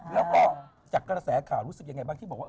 แล้วก็จากกระแสข่าวรู้สึกยังไงบ้างที่บอกว่า